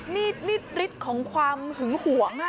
นี่ฤทธิ์ของความหึงหวง